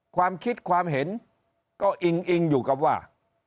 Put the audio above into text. ความคิดความเห็นก็อิงอิงอยู่กับว่า